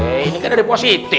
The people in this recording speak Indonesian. eh ini kan ada di positi